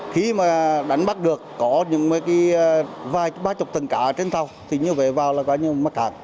khi mà đánh bắt được có những mấy cái vài ba chục tầng cá trên tàu thì như vậy vào là có như mất cả